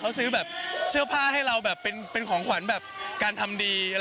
เขาซื้อแบบเสื้อผ้าให้เราเเหล้วแบบเป็นของขวัญกันทำดี